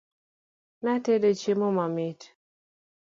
Notedo chiemo mamit